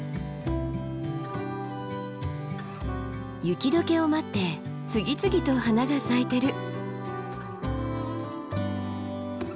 雪解けを待って次々と花が咲いてる。